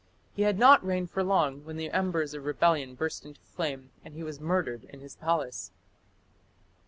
He had not reigned for long when the embers of rebellion burst into flame and he was murdered in his palace.